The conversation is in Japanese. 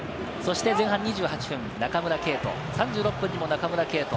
前半２８分、中村敬斗、３６分にも中村敬斗。